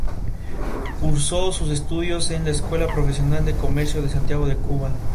Cursó sus estudios en la Escuela Profesional de Comercio de Santiago de Cuba.